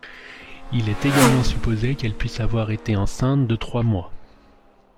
Il est également supposé qu'elle puisse avoir été enceinte de trois mois.